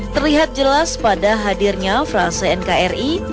terlihat jelas pada hadirnya frase nkri